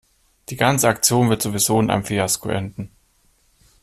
Die ganze Aktion wird sowieso in einem Fiasko enden.